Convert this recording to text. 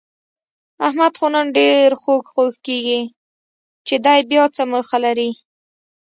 احمد خو نن ډېر خوږ خوږ کېږي، چې دی بیاڅه موخه لري؟